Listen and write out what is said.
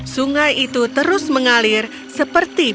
sungai itu terus mengalir seperti biasa